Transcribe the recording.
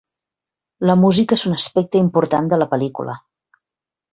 La música és un aspecte important de la pel·lícula.